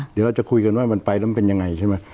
เดี๋ยวเราจะคุยกันว่ามันไปแล้วมันเป็นยังไงใช่ไหม